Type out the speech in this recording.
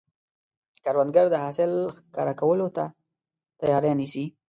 کروندګر د حاصل ښکاره کولو ته تیاری نیسي